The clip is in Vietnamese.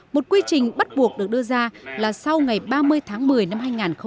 một quy trình bắt buộc được đưa ra là sau ngày ba mươi tháng một mươi năm hai nghìn một mươi chín